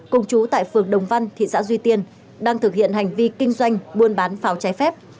cùng chú tại phường đồng văn thị xã duy tiên đang thực hiện hành vi kinh doanh buôn bán pháo trái phép